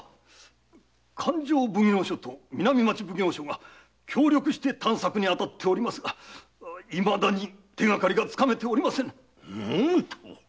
勘定奉行所と南町奉行所が協力し探索に当たっておりますが未だに手がかりが掴めておりませぬ。